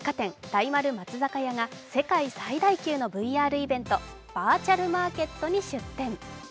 大丸松坂屋が世界最大級のＶＲイベントバーチャルマーケットに出店。